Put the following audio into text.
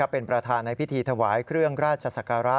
เป็นประธานในพิธีถวายเครื่องราชศักระ